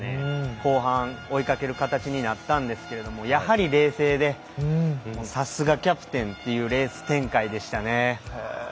後半、追いかける形になったんですけどもやはり冷静でさすがキャプテンというレース展開でした。